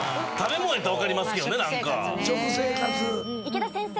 池田先生。